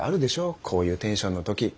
こういうテンションの時。